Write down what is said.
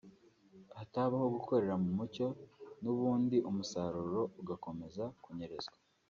hatabaho gukorera mu mucyo n’ubundi umusaruro ugakomeza kunyerezwa